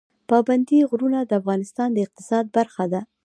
پابندی غرونه د افغانستان د اقتصاد برخه ده.